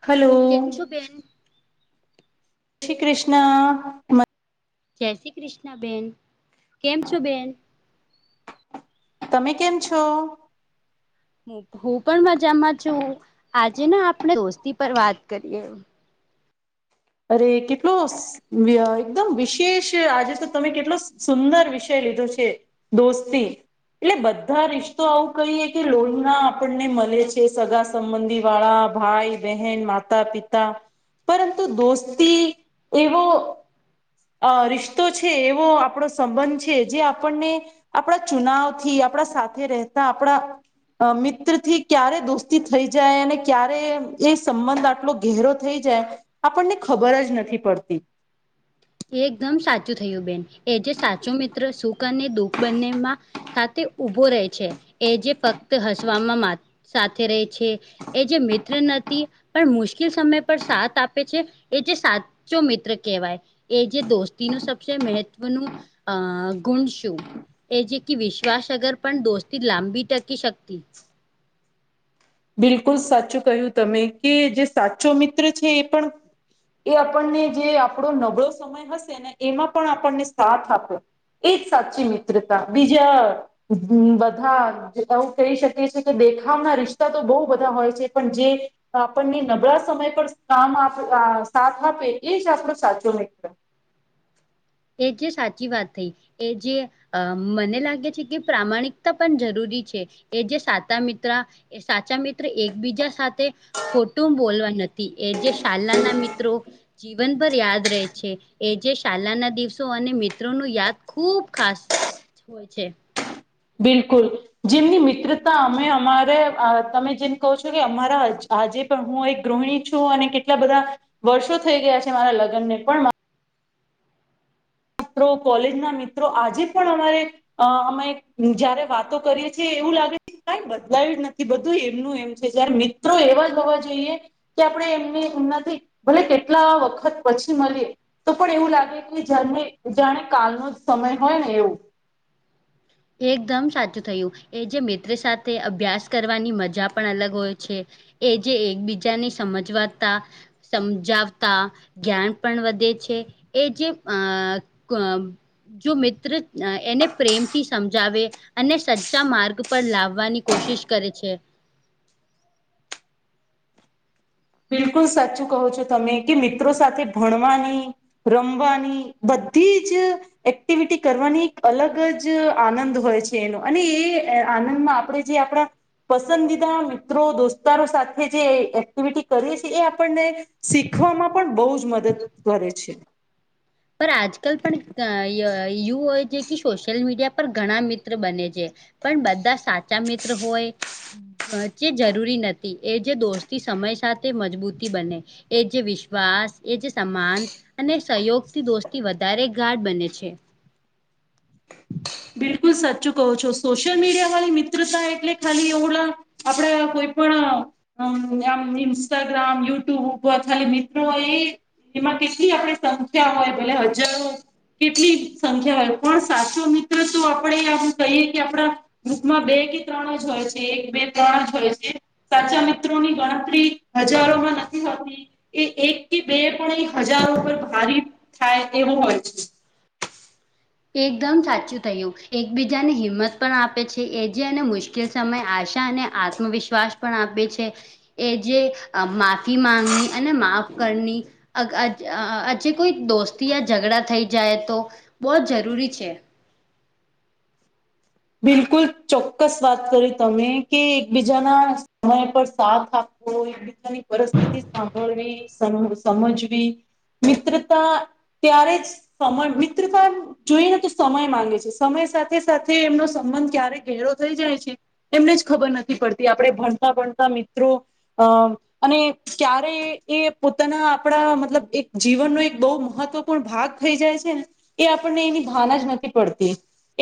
Hello. કેમ છો બેન? શ્રી કૃષ્ણ જય શ્રી કૃષ્ણ બેન કેમ છો બેન? તમે કેમ છો? હ હું પણ મજામાં છું આજે ને આપણે દોસ્તી પર વાત કરીએ. અરે કેટલો શ એકદમ વિશેષ આજે તો તમે કેટલો સુંદર વિષય લીધો છે. દોસ્તી. એટલે બધા રિશ્તો આવું કહીએ કે લોહીના આપણને મળે છે સગા સંબંધી વાળા ભાઈ બહેન માતા પિતા પરંતુ. તો દોસ્તી એવો અ રિશ્તો છે એવો આપણો સંબંધ છે જે આપણને આપણા ચુનાવ થી આપણા સાથે રહેતા આપણા મિત્ર થી ક્યારે દોસ્તી થઈ જાય અને ક્યારે એ સંબંધ આટલો ગેરો થઈ જાય આપણને ખબર જ નથી પડતી. એકદમ સાચું થયું બેન એજ સાચો મિત્ર સુખ અને દુઃખ બંનેમાં સાથે ઉભો રહે છે એ જે ફક્ત હસવામાં સાથે રહે છે એ જે મિત્ર નથી પણ મુશ્કેલ સમય પર સાથ આપે છે એ જે સાત સાચો મિત્ર કેવાય. એ જે દોસ્તીનું સબસે મહત્વનું અ ગુણ શું. એ જે કે વિશ્વાસ અગર પણ દોસ્તી લાંબી ટકી શકતી બિલકુલ સાચું કહ્યું તમે કે જે સાચો મિત્ર છે એ પણ એ આપણને જે આપણો નબળો સમય હશે ને એમાં પણ આપણને સાથ આપ્યો એજ સાચી મિત્રતા બીજા બધા એવું કહી શકીએ છી કે દેખાવના રિશ્ તો બહુ બધા હોય છે પણ જે આપણને નબળા સમય પર કામ સાથ આપે એ જ આપડો સાચો મિત્ર. એ જે સાચી વાત થઈ એ જે અ મને લાગે છે કે પ્રામાણિકતા પણ જરૂરી છે એ જે સાતા મિત્ર એ સાચા મિત્ર એકબીજા સાથે ખોટું બોલવા નથી એ જે શાલાના મિત્રો જીવનભર યાદ રહે છે એ જે શાલાના દિવસ દિવસો ને મિત્રો નો યાદ ખુબ ખાસ હોય છે. બિલકુલ. જેમની મિત્રતા અમે અમારે તમે જેમ કહો છો કે અમારા આજે હું એક ગૃહિણી છું અને કેટલા બધા વર્ષો થઈ ગયા છે મારા લગ્ન ને પણ તો કોલેજ ના મિત્રો આજે પણ અમારે અ અમે જયારે વાતો કરીએ છીએ એવું લાગે છે કઈ બદલાયું જ નથી બધું એમનું એમ છે જયારે મિત્રો એવા જ હોવા જોઈએ કે આપણે એમનીમ નથી ભલે કેટલા વખત પછી મળીએ તો પણ એવું લાગે કે જાને જાણે કાલનો સમય હોય ને એવું. એકદમ સાચું થયું એ જે મિત્ર સાથે અભ્યાસ કરવાની મજા પણ અલગ હોય છે. એ જે એકબીજાને સમજવાતા સમજાવતા જ્ઞાન પણ વધે છે એ જે અ જો મિત્ર એને પ્રેમ થી સમજાવે અને સચ્ચા માર્ગ પર લાવવાની કોશિશ કરે છે બિલકુલ સાચું કહો છો તમે કે મિત્રો સાથે ભણવાની રમવાની બધી જ એક્ટિવિટી કરવાની એક અલગ જ આનંદ હોય છે એનો અને એ આનંદમાં આપણે આપણા પસંદીદા મિત્રો દોસ્તારો સાથે જે એક્ટિવિટી કરીએ છે એ આપણને શીખવામાં પણ બહુ જ મદદ કરે છે. પણ આજકાલ પણ એવું હોય છે કે સોશિયલ મીડિયા પર ઘણા મિત્ર બને છે. પણ બધા સાચા મિત્ર હોય જે જરૂરી નથી એ જે દોસ્તી સમય સાથે મજબૂતી બને એ જે વિશ્વાસ એજ સમાન અને સહયોગ દોસ્તી વધારે ગાઢ બને છે. બિલકુલ સાચું કહો છો સોશિયલ મીડિયા વાળી મિત્રતા એટલે ખાલી એવલા આપડ કોઈ પણ અમ આમ ઇન્સ્ટાગ્રામ યુટ્યુબ ખાલી મિત્રો એ એમાં કેટલી આપે સંખ્યા હોય ભલે હજારો કેટલી સંખ્યા હોય પણ સાચો મિત્ર તો આપણેે કહીએ કે આપડા ગ્રુપમાં બે કે ત્રણ જ હોય છે એક બે ત્રણ જ હોય છે. સાચા મિત્રોની ગણતરી હજારોમાં નથી હોતી. એ એક કે બે પણ એ હજારો પર ભારી થાય એવો હોય છે. એકદમ સાચું થયું એકબીજાને હિંમત પણ આપે છે એ જેને મુશ્કે લ સમય આશા અને આત્મવિશ્વાસ પણ આપે છે. એ જે માફી માંગની અને માફ કરની આજે કોઈ દોસ્તી ઝઘડા થઈ જાય તો બહુ જ જરૂરી છે. બિલકુલ ચોક્કસ વાત કરી તમે કે એકબીજાના સમય પર સાથ આપવો હોય ને ની પરિસ્થિતિ સાંભળવી સમજવી મિત્રતા ત્યારે જ [unintelligible] મિત્રતા જોઈ ને તો સમય માંગે છે સમય સાથે સાથે એમનો સંબંધ ક્યારે ઘેરો થઈ જાય છે એમને જ ખબર નથી પડતી આપણે ભણતા ભણતા મિત્રો અ અને ક્યારે એ પોતાના આપડા મતલબ એક જીવનનો એક બહ મહત્વપૂર્ણ ભાગ થઈ જાય છે ને એ આપણને એની ભાન જ નથી પડતી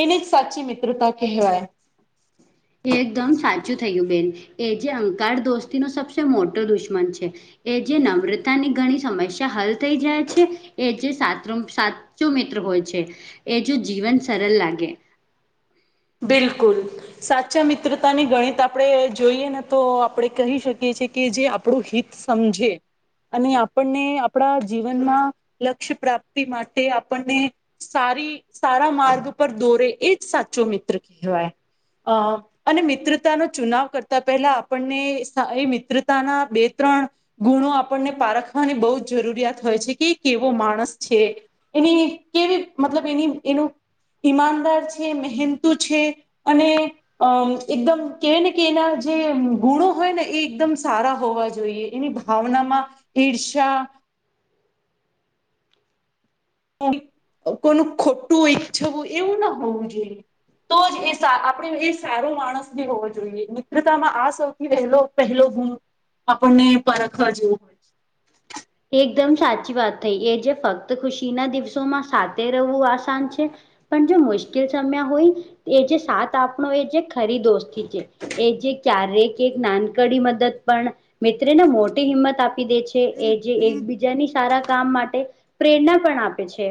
એને જ સાચી મિત્રતા કહેવાય. એકદમ સાચું થયું બેન એ જે અંકાર દોસ્તીનો સબસે મોટો દુશ્મન છે. એ જે નમ્રતાની ઘણી સમસ્યા હલ થઈ જાય છે એ જે સાત સા ચો મિત્ર હોય છે એ જો જીવન સરળ લાગે. બિલકુલ સાચા મિત્રતાને ગણિત આપણે જોઈએ ને તો આપણે કહી શકીએ છે કે જે આપણું હિત સમજે. અને આપણને આપણા જીવનમાં લક્ષ્ય પ્રાપ્તિ માટે આપણને સારી સારા માર્ગ પર દોરે એ જ સાચો મિત્ર કહેવાય અ અને મિત્રતાનો ચુનાવ કરતા પહેલા આપણને એ મિત્રતાના બે ત્રણ ગુણો આપણને પારખવાની બહુ જ જરૂરિયાત હોય છે કે કેવો માણસ છે. એની કેવી મતલબ એની એનું ઈમાનદાર છે મહેનતુ છે. અને અમ એકદમ કવાય ને કે એના જે ગુણો હોય ને એ એકદમ સારા હોવા જોઈએ એની ભાવના માં ઈર્ષ્યા કોનું ખોટું ઈચ્છવું એવું ના હોવું જોઈએ. તો જ એ આપણે એ સારો માણસ ભી હોવો જોઈએ મિત્રતામાં આ સોથી પહેલો પહેલો ગુણ આપણને પરખવા જેવું છે. એકદમ સાચી વાત થઈ એ જે ફક્ત ખુશી ના દિવસોમાં સાથે રહેવું આસાન છે. પણ જો મુશ્કેલ સમ્યા હોય એ જે સાત આપણો એ જે ખરી દોસ્ત [unintelligible] એ જે ક્યારે એક નાનકડી મદદ પણ મિત્રને મોટી હિંમત આપી દે છે એ જે એકબીજાની સારા કામ માટે પ્રેરણા પણ આપે છે.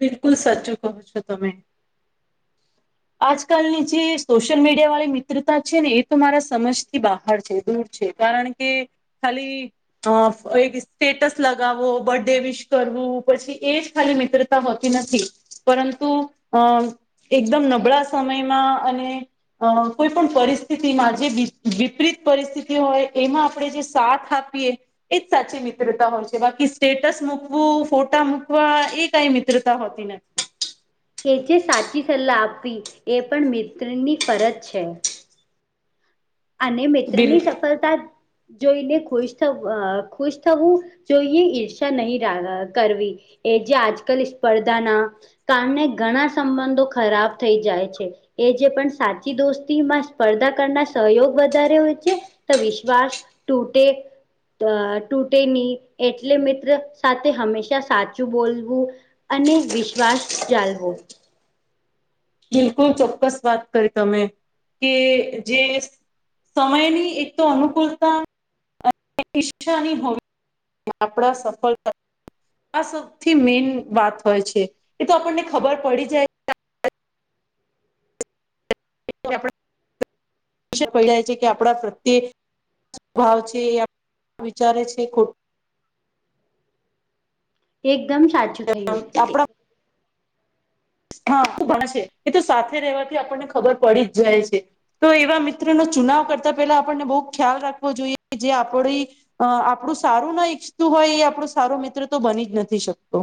બિલકુલ સાચ્ચું કહો છો તમે. આજકાલની જે સોશિયલ મીડિયા વાળી મિત્રતા છે ને એ તો મારા સમજથી બહાર છે દૂર છે. કારણ કે ખાલી અ એક સ્ટેટસ લગાવવો બર્થડે વિશ કરવું પછી એજ ખાલી મિત્ર તા હોતી નથી પરંતુ અમ એકદમ નબળા સમયમાં અને અ કોઈ પણ પરિસ્થિતિમાં જે વિપરીત પરિસ્થિતિ હોય એમાં આપણે જે સાથ આપીએ એ જ સાચી મિત્રતા હોય છે બાકી સ્ટેટસ મૂકવું ફોટા મૂકવા એ કઈ મિત્ર તા હોતી નથી. કે જેે સાચી સલાહ આપવી એ પણ મિત્રની ફરજ છે. અને મિત્રની બિલકુલ સફળતા જોઈને ખુશ થ ખુશ થવું જોઈએ ઈર્ષા નહીં કરવી. એ જે આજકાલ સ્પર્ધાના કારણે ઘણા સંબંધો ખરાબ થઈ જાય છે. એ જે પણ સાચી દોસ્તી માં સ્પર્ધા કરના સહયોગ વધારે હોય છે, તો વિશ્વાસ તૂટે અ તૂટે ની એટલે મિત્ર સાથે હંમેશા સાચું બોલવું. અને વિશ્વાસ જાલવો. બિલકુલ ચોક્કસ વાત કરી તમે કે જે સમય ની એક તો અનુકૂલતા અને [unintelligible] ઈછાની હોવી આપણા સફળતા આ સૌથી મેન વાત હોય છે એ તો આપણને ખબર પડી જાય [unintelligible] જાય છે કે આપણા પ્રત્યે ભાવ છે એ [unintelligible] વિચારે છે ખોટ એકદમ સાચું થયું એ આપણા હા ભણ છે એ તો સાથે રહેવાથી આપણને ખબર પડી જ જાય છે. તો એવા મિત્રનો ચુનાવ કરતા પેલા આપણને બહુ ખ્યાલ રાખવો જોઈએ જે આપડી અ આપણું સારું ના ઈચ્છતું હોય એ આપણું સારું મિત્ર તો બની જ નથી શકતો.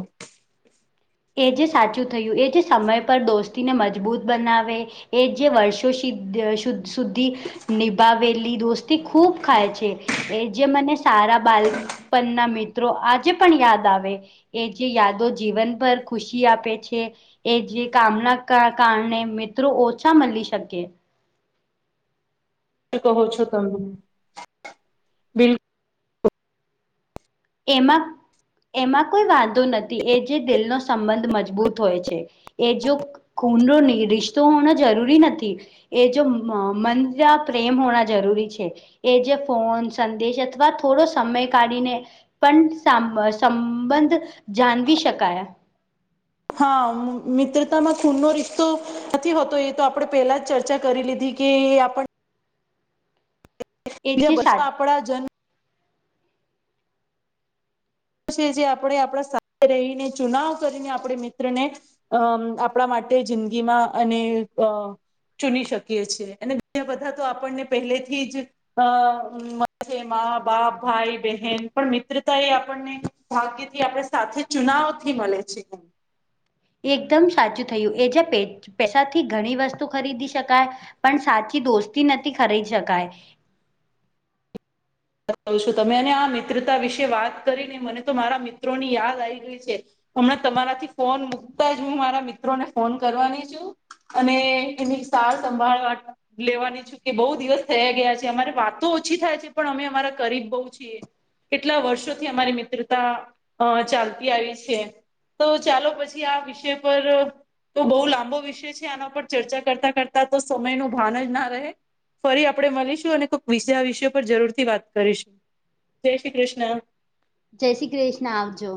એ જે સાચું થયું એ જે સમય પર દોસ્તીને મજબૂત બનાવે એ જે વર્ષો સિદ્ધ શુદ્ધ સુધી નિભાવેલી દોસ્તી ખૂબ ખાય છે એ જે મને તારા બાલપન ના મિત ત્રો આજે પણ યાદ આવે એ જે યાદો જીવન ભર ખુશી આપે છે એ જે કામના કા કારણે મિત્રો ઓછા મલી શકે. તુ કહો છો તમે. બિલકુલ એમાં એમાં કોઈ વાંધો નથી એ જે દિલનો સંબંધ મજબૂત હોય છે. એ જો ખૂન રો નહી રિશ્તો હોણોં જરૂરી નથી. એ જો મ મંજા પ્રેમ હોણા જરૂરી છે. એ જે ફોન સંદેશ અથવા થોડો સમય કાઢીને પન સામ સંબંધ જાનવી શકાયા. હા, મિત્રતામાં ખૂન નો રિશતો નથી હોતો એ તો આપડે પેલા જ ચર્ચા કરી લીધી. કે આપડ એ જે [unintelligible] સા બસતા આપડા જન્મ જે આપડે આપડે સાથે રહીને ચુનાવ કરીને આપડે મિત્રને અમ આપણા માટે જિંદગીમાં અને અ ચૂની શકીએ છીએ એને બી બધા તો આપણને પહેલે થી જ અ મ [unintelligible] શે મા-બાપ, ભાઈ-બહેન પણ મિત્રતા એ આપણને ભાગ્ય થી આપડે સાથે ચુનાવ થી મલે છે એમ. એકદમ સાચું થયું એજ પેટ પેસાથી ઘણી વસ્તુ ખરીદી શકાય, પણ સાચી દોસ્તી નથી ખરી શકાય. [unintelligible] છું તમે અને આ મિત્રતા વિશે વાત કરીને મને તો મારા મિત્રો ની યાદ આઈ ગઈ છે. હમણા તમારાથી ફોન મુકતા જ હું મારા મિત્રોને ફોન કરવાની છું. અને એની સાર સંભાળ રાખવા લેવાની છું કે બહુ દિવસ થયે ગયા છે અમારે વાતો ઓછી થાય છે પણ અમે અમારા કરીબ બઉ છીએ. કેટલા વર્ષોથી અમારી મિત્રતા અ ચાલતી આવી છે. તો ચાલો પછી આ વિષય પર તો બહુ લાંબો વિષય છે આના પર ચર્ચા કરતા-કરતા તો સમય નું ભાન જ ના રહે. ફરી આપડે મલીશું અને કોક વિષે આ વિષયો પર જરૂર થી વાત કરીશું. જય શ્રી ક્રિષ્ન. જય શ્રી કૃષ્ણ આવજો.